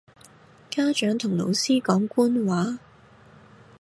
家長同老師講官話